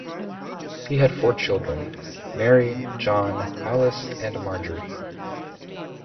He had four children: Mary, John, Alice and Marjorie.